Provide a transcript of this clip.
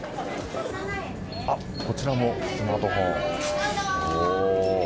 こちらもスマートフォン。